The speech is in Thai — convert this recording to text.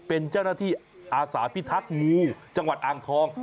เป็นเจ้าหน้าที่อาสาพิทักษ์งูจังหวัดอ่างทอง